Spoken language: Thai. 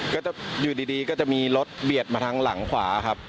ก็จะอยู่ดีก็จะมีรถเบียดมาทางหลังขวาครับ